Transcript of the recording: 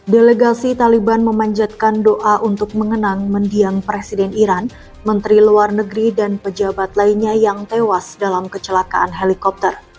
delegasi taliban memanjatkan doa untuk mengenang mendiang presiden iran menteri luar negeri dan pejabat lainnya yang tewas dalam kecelakaan helikopter